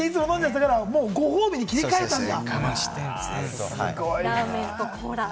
ご褒美に切り替えたんだ。